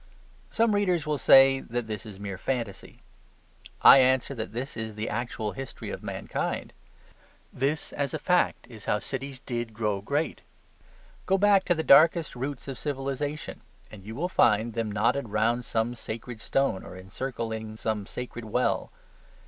Some readers will say that this is a mere fantasy. I answer that this is the actual history of mankind. This, as a fact, is how cities did grow great. Go back to the darkest roots of civilization and you will find them knotted round some sacred stone or encircling some sacred well.